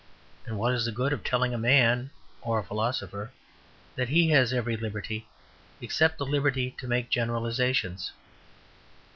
And what is the good of telling a man (or a philosopher) that he has every liberty except the liberty to make generalizations.